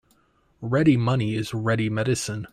Ready money is ready medicine.